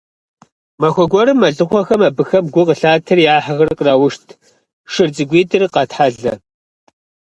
Махуэ гуэрым мэлыхъуэхэм абыхэм гу къылъатэри, я хьэхэр къраушт, шыр цӀыкӀуитӀыр къатхьэлэ.